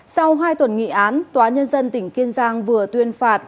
sau hai tuần nghị án tòa nhân dân tỉnh kiên giang vừa tuyên phạt